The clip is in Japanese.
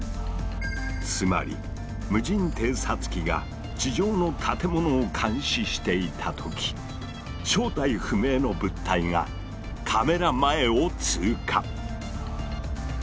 つまり無人偵察機が地上の建物を監視していた時正体不明の物体がカメラ前を通過。